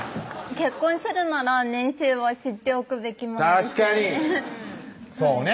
結婚するなら年収は知っておくべき確かにそうね